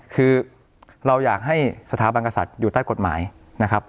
คือเราอยากให้สถาบันกษัตริย์อยู่ใต้กฎหมายนะครับ